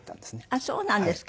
あっそうなんですか。